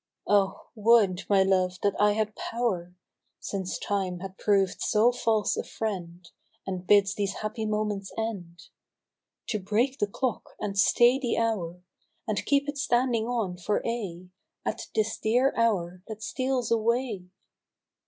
Oh 1 would, my love, that I had pow^r, (Since Time has proved so false a friend, And bids these happy moments end). To break the clock and stay the hour. And keep it standing on for aye At this dear hour that steals away